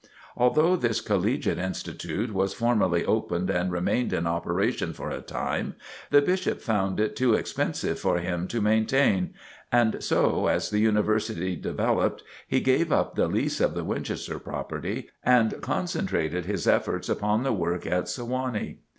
Although this Collegiate Institute was formally opened and remained in operation for a time, the Bishop found it too expensive for him to maintain; and so, as the University developed, he gave up the lease of the Winchester property and concentrated his efforts upon the work at Sewanee.